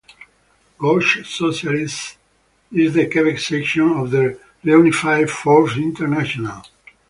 Gauche Socialiste is the Quebec section of the reunified Fourth International.